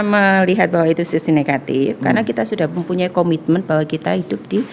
melihat bahwa itu sisi negatif karena kita sudah mempunyai komitmen bahwa kita hidup di